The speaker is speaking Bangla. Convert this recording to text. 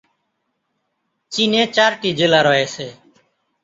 চিনে চারটি জেলা রয়েছে।